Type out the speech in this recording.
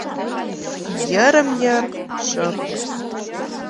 Йырым-йыр шып...»